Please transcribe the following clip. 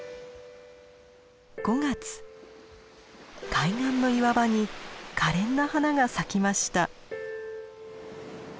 海岸の岩場にかれんな花が咲きました。